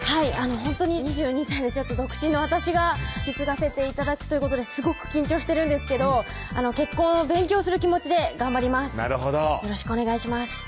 ほんとに２２歳で独身の私が引き継がせて頂くということですごく緊張してるんですけど結婚を勉強する気持ちで頑張ります